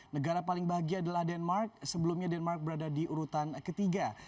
negara paling bahagia adalah denmark sebelumnya denmark berada di urutan ketiga